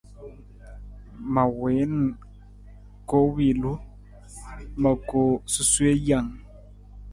Ma wiin koowilu, ma koo sasuwe jang.